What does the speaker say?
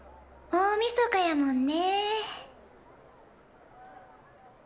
大みそかやもんねえ。